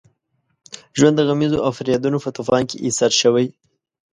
ژوند د غمیزو او فریادونو په طوفان کې ایسار شوی.